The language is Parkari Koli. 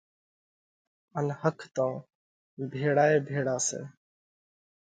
ان ۿک تو ڀِيۯا ئي ڀيۯا سئہ۔